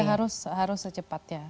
ya harus secepatnya